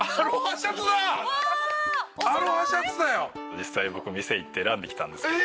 実際僕店行って選んできたんです。